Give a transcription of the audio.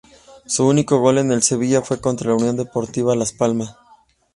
Su único gol en el Sevilla fue contra la Unión Deportiva Las Palmas.